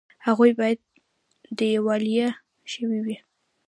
هغوی باید دیوالیه شوي وي